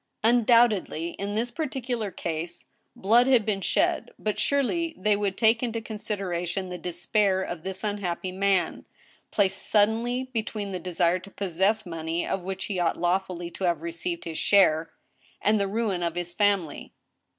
Undoubted ly, in this particular case, blood had been shed, but surely they would take into consideration the despair of this unhappy man, placed suddenly between the desire to possess money of which he ought lawfully to have received his share, and the ruin of his family.